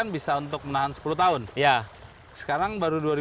perbaikan tanggul pun dikebut karena air laut semakin mendekati permukiman warga